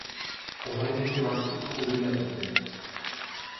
Orain urte batzuk jubilatu zen.